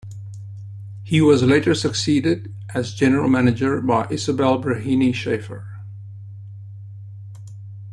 He was later succeeded as General Manager by Isobel Breheny Schafer.